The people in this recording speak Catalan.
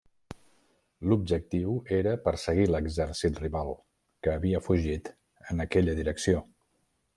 L'objectiu era perseguir l'exèrcit rival que havia fugit en aquella direcció.